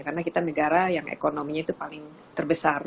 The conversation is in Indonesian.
karena kita negara yang ekonominya itu paling terbesar